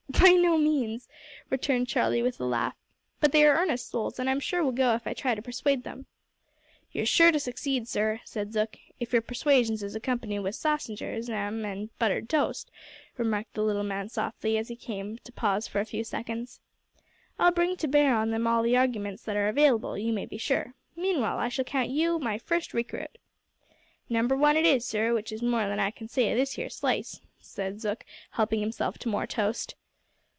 "By no means," returned Charlie with a laugh, "but they are earnest souls, and I'm sure will go if I try to persuade them." "You're sure to succeed, sir," said Zook, "if your persuasions is accompanied wi' sassengers, 'am, an' buttered toast," remarked the little man softly, as he came to a pause for a few seconds. "I'll bring to bear on them all the arguments that are available, you may be sure. Meanwhile I shall count you my first recruit." "Number 1 it is, sir, w'ich is more than I can say of this here slice," said Zook, helping himself to more toast.